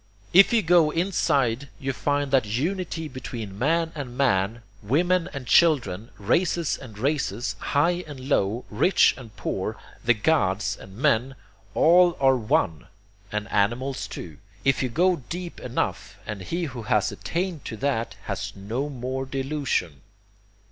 If you go inside you find that Unity between man and man, women and children, races and races, high and low, rich and poor, the gods and men: all are One, and animals too, if you go deep enough, and he who has attained to that has no more delusion.